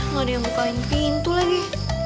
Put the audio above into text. nggak ada yang bukain pintu lagi